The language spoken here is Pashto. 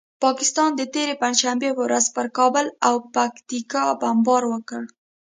پاکستان د تېرې پنجشنبې په ورځ پر کابل او پکتیکا بمبار وکړ.